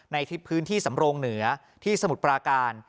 ในคลิปพื้นที่สำโรงเหนือที่สมุทรปราการ